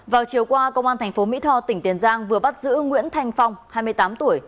vào chiều qua công an thành phố mỹ tho tỉnh tiền giang vừa bắt giữ nguyễn thành phong hai mươi tám tuổi